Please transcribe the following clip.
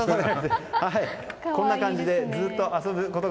こんな感じでずっと遊ぶことが。